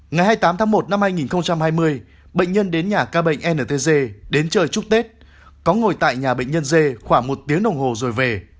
ngày hai mươi tám tháng một năm hai nghìn hai mươi bệnh nhân đến nhà ca bệnh ntg đến chơi chúc tết có ngồi tại nhà bệnh nhân dê khoảng một tiếng đồng hồ rồi về